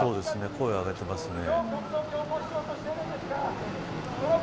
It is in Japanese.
声を上げてますね。